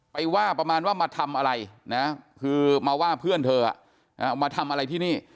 ว่าประมาณว่ามาทำอะไรนะคือมาว่าเพื่อนเธอมาทำอะไรที่นี่